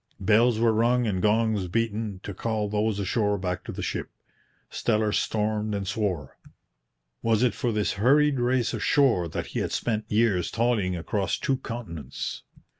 Bells were rung and gongs beaten to call those ashore back to the ship. Steller stormed and swore. Was it for this hurried race ashore that he had spent years toiling across two continents?